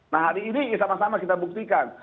nah hari ini sama sama kita buktikan